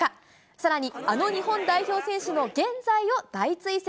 さらにあの日本代表選手の現在を大追跡。